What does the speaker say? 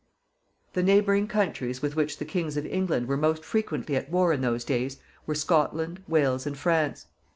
The neighboring countries with which the kings of England were most frequently at war in those days were Scotland, Wales, and France.